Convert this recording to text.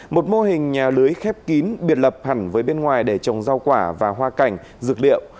một mô hình nhà lưới khép kín biệt lập hẳn với bên ngoài để trồng rau quả và hoa cảnh dược liệu